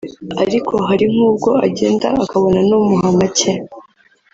Ariko hari nk’ubwo agenda akabona n’umuha make